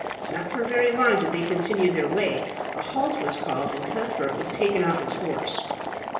Not for very long did they continue their way; a halt was called, and Cuthbert was taken off his horse.